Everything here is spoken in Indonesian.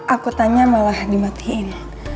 aku tanya malah dimatiin